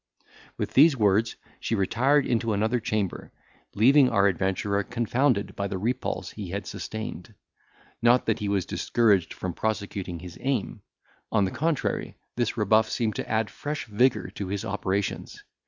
With these words she retired into another chamber, leaving our adventurer confounded by the repulse he had sustained. Not that he was discouraged from prosecuting his aim—on the contrary, this rebuff seemed to add fresh vigour to his operations.